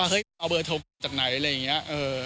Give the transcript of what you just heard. เอาเบอร์โทรมาจากไหนอะไรอย่างนี้